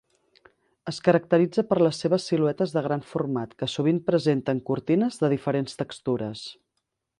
Es caracteritza per les seves siluetes de gran format, que sovint presenten cortines de diferents textures.